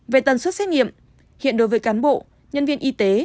về tần suất xét nghiệm hiện đối với cán bộ nhân viên y tế